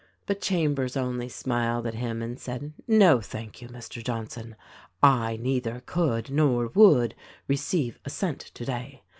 '' But Chambers only smiled at him and said, "No, thank you, Mr. Johnson, I neither could nor would receive a cent today.